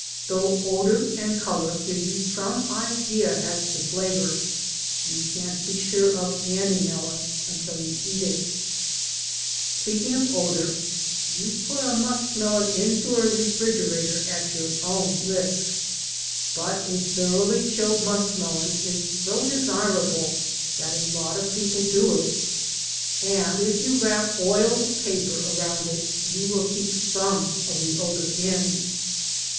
Though odor and eolor give you some idea as to flavor, you can't be sure of any melon until you eat iti Speaking of odor, you put a muskrnelon into a refrigerator at your own risk. But a thoroughly chilled muskrnelon is so desirable that a lot of people do it. And if you wrap oiled paper around it you will keep some of the odor in.